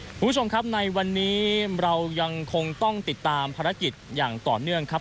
คุณผู้ชมครับในวันนี้เรายังคงต้องติดตามภารกิจอย่างต่อเนื่องครับ